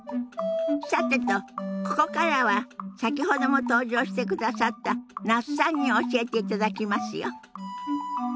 さてとここからは先ほども登場してくださった那須さんに教えていただきますよ。